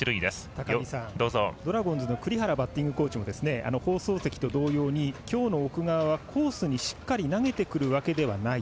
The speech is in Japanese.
ドラゴンズの栗原バッティングコーチが放送席と同様にきょうの奥川はコースにしっかり投げてくるわけではない。